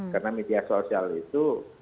karena media sosial itu